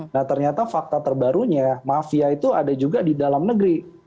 nah ternyata fakta terbarunya mafia itu ada juga di dalam negeri